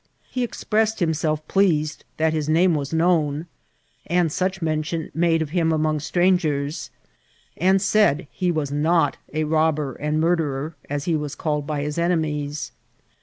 He expressed himself pleased that his name was known, and such mention made of him among strangers; and said he was not a robber and murderer, as he was called CHARACTBK OF CARRIRA. M9 by his oiemies.